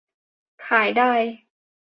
ขายได้